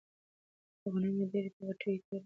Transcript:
د غنمو ډیرۍ په پټي کې تر لمر لاندې ایښودل شوې وه.